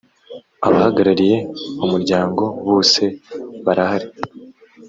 abahagarariye umuryango bose barahari.